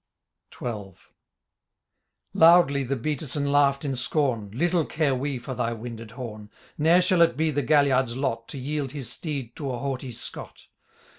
XII. Loudly the Beattison laughed in scorn ;" Little care we for thy winded horn. Ne^er shall it be the Galliard*s lot. To yield^his steed to a haughty Scott.